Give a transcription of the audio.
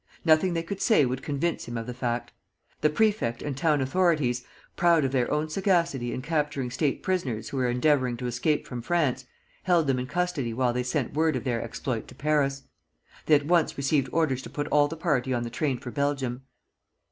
Nothing they could say would convince him of the fact. The prefect and town authorities, proud of their own sagacity in capturing State prisoners who were endeavoring to escape from France, held them in custody while they sent word of their exploit to Paris. They at once received orders to put all the party on the train for Belgium.